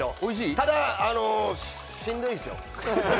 ただ、しんどいんすよ。